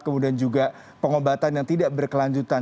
kemudian juga pengobatan yang tidak berkelanjutan